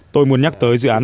tôi muốn nhắc tới dự án